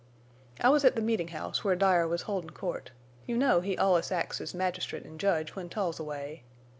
"I was at the meetin' house where Dyer was holdin' court. You know he allus acts as magistrate an' judge when Tull's away.